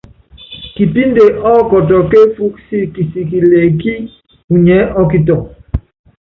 Kipínde ɔ́kɔtɔ kéefúk siki kisikilɛ ekí unyiɛ́ ɔ́kitɔŋ.